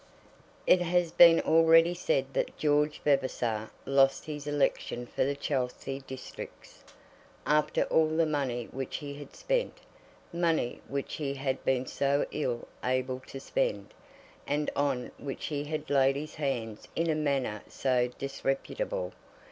It has been already said that George Vavasor lost his election for the Chelsea Districts, after all the money which he had spent, money which he had been so ill able to spend, and on which he had laid his hands in a manner so disreputable!